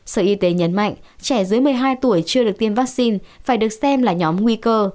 sở y tế nhấn mạnh trẻ dưới một mươi hai tuổi chưa được tiêm vaccine phải được xem là nhóm nguy cơ